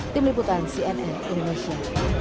tim liputan cnn indonesia